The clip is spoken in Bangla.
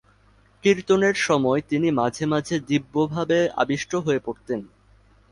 কীর্তনের সময় তিনি মাঝে মাঝে দিব্যভাবে আবিষ্ট হয়ে পড়তেন।